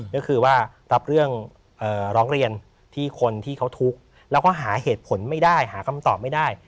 ก็คือว่ารับเรื่องร้องเรียนที่คนที่เขาทุกข์แล้วก็หาเหตุผลไม่ได้หาคำตอบไม่ได้